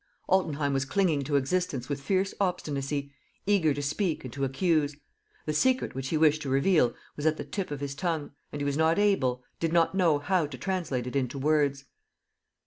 ..." Altenheim was clinging to existence with fierce obstinacy, eager to speak and to accuse. ... The secret which he wished to reveal was at the tip of his tongue and he was not able, did not know how to translate it into words.